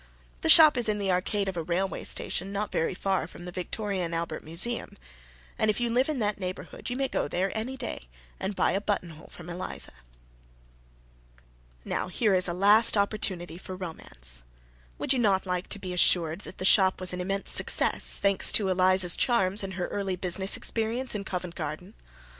The shop is in the arcade of a railway station not very far from the Victoria and Albert Museum; and if you live in that neighborhood you may go there any day and buy a buttonhole from Eliza. Now here is a last opportunity for romance. Would you not like to be assured that the shop was an immense success, thanks to Eliza's charms and her early business experience in Covent Garden?